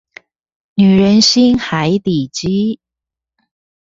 女人心海底雞